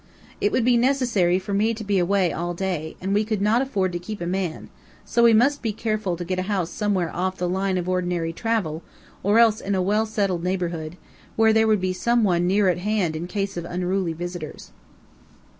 It would be necessary for me to be away all day, and we could not afford to keep a man, so we must be careful to get a house somewhere off the line of ordinary travel, or else in a well settled neighborhood, where there would be some one near at hand in case of unruly visitors.